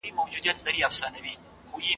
هغه د خپلو فرضیو آزموینه کوله.